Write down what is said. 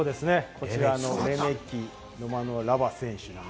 こちらのレメキ・ロマノ・ラヴァ選手。